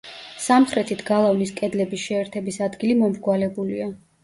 სამხრეთით გალავნის კედლების შეერთების ადგილი მომრგვალებულია.